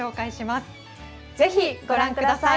是非ご覧ください。